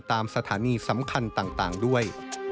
ตามสถานีสำคัญต่างด้วย